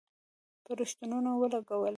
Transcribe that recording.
په رشوتونو ولګولې.